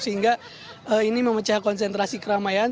sehingga ini memecah konsentrasi keramaian